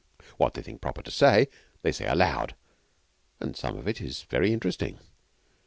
What they think proper to say, they say aloud and some of it is very interesting.